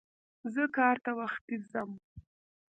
زه کار ته وختي ځم.